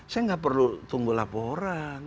saya nggak perlu tunggu laporan